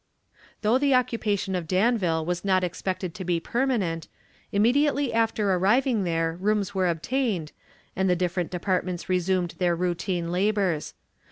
Though the occupation of Danville was not expected to be permanent, immediately after arriving there rooms were obtained, and the different departments resumed their routine labors.